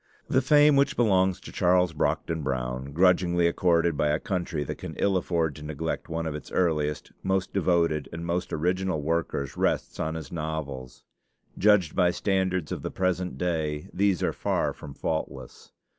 The fame which belongs to Charles Brockden Brown, grudgingly accorded by a country that can ill afford to neglect one of its earliest, most devoted, and most original workers, rests on his novels. Judged by standards of the present day, these are far from faultless.